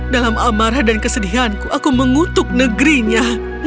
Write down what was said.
dalam amarah dan kesedihanku aku mengutuk negerinya